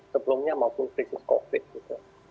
sebelumnya maupun krisis covid gitu